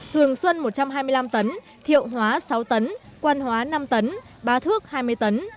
hường xuân một trăm hai mươi năm tấn thiệu hóa sáu tấn quan hóa năm tấn ba thước hai mươi tấn